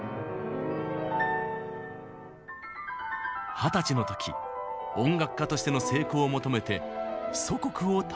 二十歳の時音楽家としての成功を求めて祖国を旅立ちます。